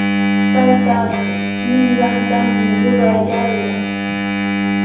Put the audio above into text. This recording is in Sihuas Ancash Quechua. Taytanchik ninqantami rurayarqaa.